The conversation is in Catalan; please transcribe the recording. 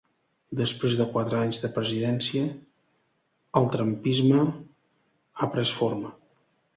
Després de quatre anys de presidència, el ‘Trumpisme’ ha pres forma.